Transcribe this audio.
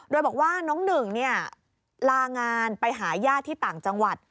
โดยบอกว่าน้องหนึ่งลางานไปหาญาติที่ต่างจังหวัด